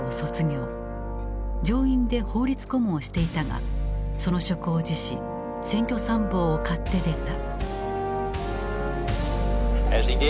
上院で法律顧問をしていたがその職を辞し選挙参謀を買って出た。